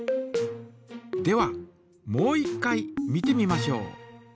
ではもう一回見てみましょう。